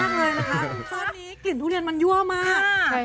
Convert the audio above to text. เพราะว่านี้กลิ่นทุเรียนมันยั่วมาก